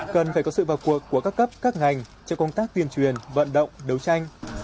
cần phải có sự vào cuộc của các cấp các ngành cho công tác tuyên truyền vận động đấu tranh